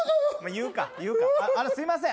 言うか言うかすいません